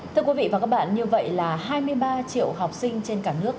thưa quý vị và các bạn như vậy là hai mươi ba triệu học sinh trên cả nước